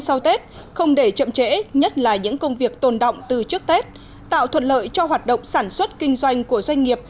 sau tết không để chậm trễ nhất là những công việc tồn động từ trước tết tạo thuận lợi cho hoạt động sản xuất kinh doanh của doanh nghiệp